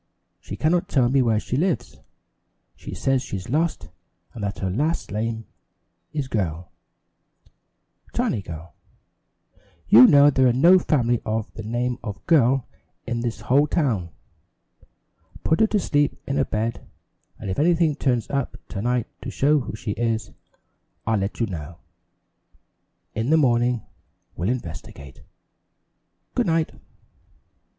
She cannot tell me where she lives she says she's lost and that her last name is Girl Tiny Girl. You know there is no family of the name of Girl in this whole town. Put her to sleep in a bed and if anything turns up to night to show who she is, I'll let you know. In the morning we'll investigate. Good night."